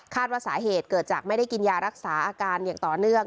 ว่าสาเหตุเกิดจากไม่ได้กินยารักษาอาการอย่างต่อเนื่อง